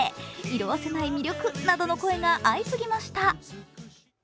色あせない魅力などの声が相次ぎました。